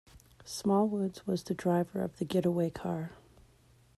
Smallwoods was the driver of the getaway car.